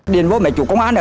điền vô mẹ chủ công an